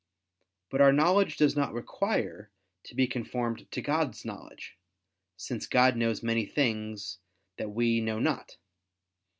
But our knowledge does not require to be conformed to God's knowledge; since God knows many things that we know not.